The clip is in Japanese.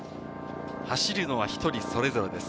走るのは１人、それぞれです。